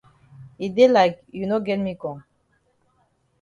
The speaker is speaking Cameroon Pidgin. E dey like you no get me kong